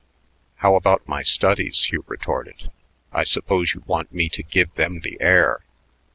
"How about my studies?" Hugh retorted. "I suppose you want me to give them the air.